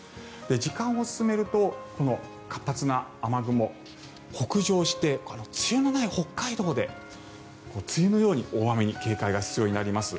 時間を進めると活発な雨雲、北上して梅雨のない北海道で梅雨のように大雨に警戒が必要になります。